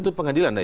itu pengadilan ya